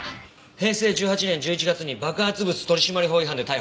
平成１８年１１月に爆発物取締法違反で逮捕。